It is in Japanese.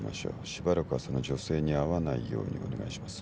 しばらくはその女性に会わないようにお願いします。